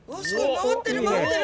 回ってる回ってる。